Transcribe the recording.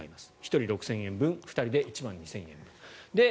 １人６０００円分２人で１万２０００円分。